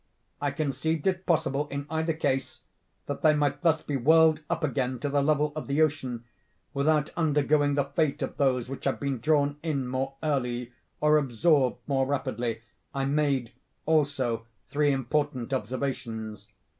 I conceived it possible, in either instance, that they might thus be whirled up again to the level of the ocean, without undergoing the fate of those which had been drawn in more early, or absorbed more rapidly. I made, also, three important observations.